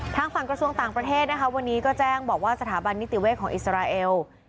ทางฝั่งกระทรวงต่างประเทศนะคะวันนี้ก็แจ้งบอกว่าสถาบันนิติเวศของอิสราเอล